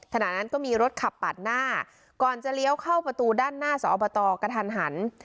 ขณะนั้นก็มีรถขับปาดหน้าก่อนจะเลี้ยวเข้าประตูด้านหน้าสอบตกกระทันหัน